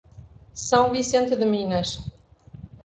São Vicente de Minas